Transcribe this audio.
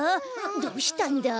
どうしたんだ？